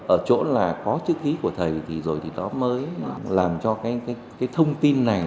ở chỗ là có chữ ký của thầy thì rồi thì đó mới làm cho cái thông tin này